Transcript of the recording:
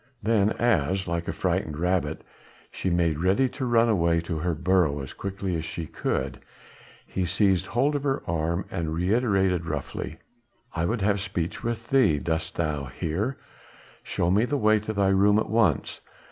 Then as, like a frightened rabbit, she made ready to run away to her burrow as quickly as she could, he seized hold of her arm and reiterated roughly: "I would have speech of thee, dost hear? Show me the way to thy room at once.